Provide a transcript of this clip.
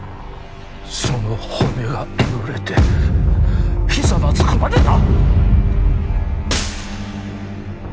その骨がえぐれてひざまずくまでな！